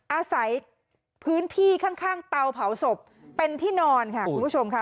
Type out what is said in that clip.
อาศัยพื้นที่ข้างเตาเผาศพเป็นที่นอนค่ะคุณผู้ชมค่ะ